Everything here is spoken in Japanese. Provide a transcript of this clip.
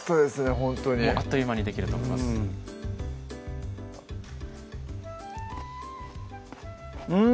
ほんとにあっという間にできると思いますうん！